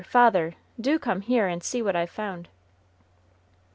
father! do come here, and see what I've found!"